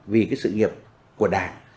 vì sự nghiệp của đảng